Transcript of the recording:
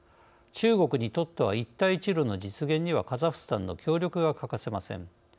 中国にとっては一帯一路の実現にはカザフスタンの協力が欠かせません。